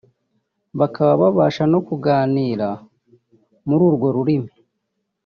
bakaba babasha no kuganira muri urwo rurimi